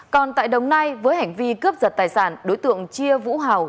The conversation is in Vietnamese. còn tại đồng nai với hành vi cướp giật tài sản đối tượng chia vũ hào